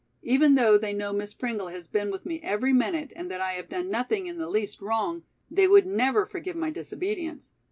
Even though they know Miss Pringle has been with me every minute and that I have done nothing in the least wrong, they would never forgive my disobedience.